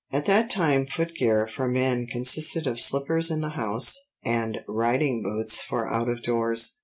At that time footgear for men consisted of slippers in the house, and riding boots for out of doors.